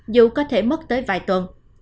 dù có thể mất tới vài tuần